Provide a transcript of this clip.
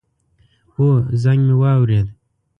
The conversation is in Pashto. هو، زنګ می واورېد